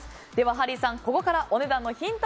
ハリーさん、ここからお値段のヒント